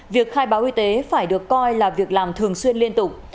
việc khai báo y tế phải được coi là việc làm thường xuyên liên tục